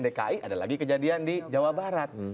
dki ada lagi kejadian di jawa barat